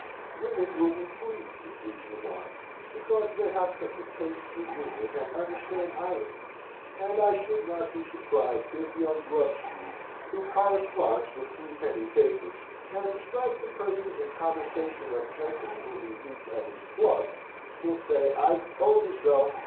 Women will be pleased with these remarks, because they have such a taste for humour and understand irony; and I should not be surprised if young Grubstreet, who corresponds with three penny papers and describes the persons and conversation of gentlemen whom he meets at his "clubs," will say, "I told you so!